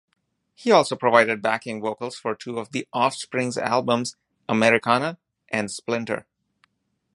He also provided backing vocals for two of The Offspring's albums "Americana" and "Splinter".